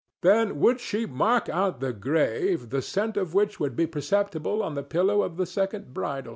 Then would she mark out the grave the scent of which would be perceptible on the pillow of the second bridal?